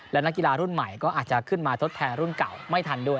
และนักกีฬารุ่นใหม่ก็อาจจะขึ้นมาทดแทนรุ่นเก่าไม่ทันด้วย